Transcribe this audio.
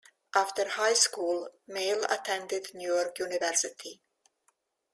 After high school, Mele attended New York University.